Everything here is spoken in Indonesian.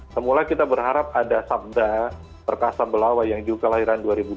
semula kita berharap ada sabda perkasa belawa yang juga kelahiran dua ribu dua puluh